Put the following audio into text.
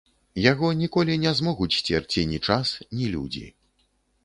Яго ніколі не змогуць сцерці ні час, ні людзі.